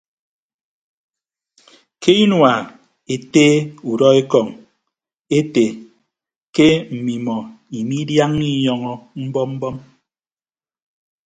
Ke inua ete udọ ekọñ ete ke mmimọ imaidaaña inyọñọ mbọm mbọm.